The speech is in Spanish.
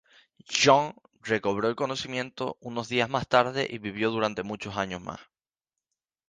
John recobró el conocimiento unos días más tarde y vivió durante muchos años más.